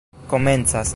komencas